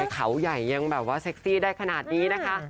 เขาใหญ่ยังแบบว่าเซ็กซี่ได้ขนาดนี้นะคะ